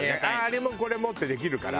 あれもこれもってできるから。